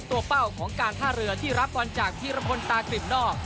เป้าของการท่าเรือที่รับบอลจากธีรพลตากลิ่มนอก